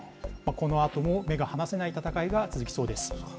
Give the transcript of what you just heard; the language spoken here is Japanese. このあとも目が離せない戦いが続きそうです。